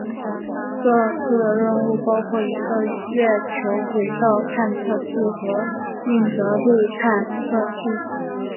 这次任务包括一个月球轨道探测器和硬着陆探测器。